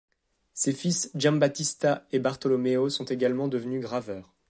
Ses fils Giambattista et Bartolomeo sont également devenus graveurs.